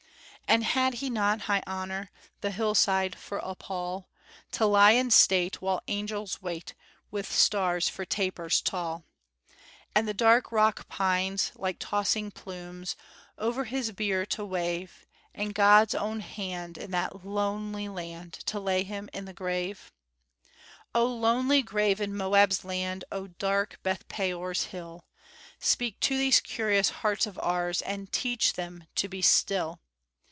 "And had he not high honor The hillside for a pall To lie in state, while angels wait With stars for tapers tall; And the dark rock pines, like tossing plumes, Over his bier to wave, And God's own hand, in that lonely land, To lay him in the grave?" "O lonely grave in Moab's land! O dark Bethpeor's hill! Speak to these curious hearts of ours, And teach them to be still!